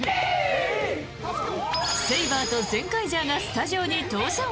セイバーとゼンカイジャーがスタジオに登場。